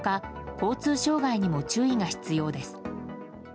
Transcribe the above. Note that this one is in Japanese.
交通障害にも注意が必要です。